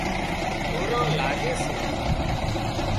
ٻوران لاڳي سي